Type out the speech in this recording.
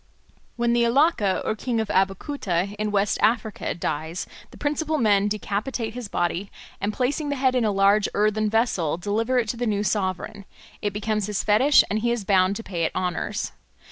When the Alake or king of Abeokuta in West Africa dies, the principal men decapitate his body, and placing the head in a large earthen vessel deliver it to the new sovereign; it becomes his fetish and he is bound to pay it honours.